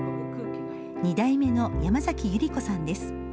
２代目の山崎ゆり子さんです。